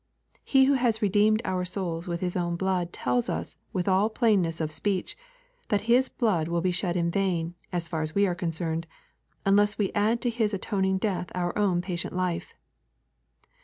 He who has redeemed our souls with His own blood tells us with all plainness of speech, that His blood will be shed in vain, as far as we are concerned, unless we add to His atoning death our own patient life.